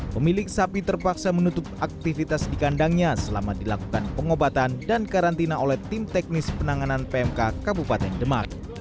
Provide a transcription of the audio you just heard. pemilik sapi terpaksa menutup aktivitas di kandangnya selama dilakukan pengobatan dan karantina oleh tim teknis penanganan pmk kabupaten demak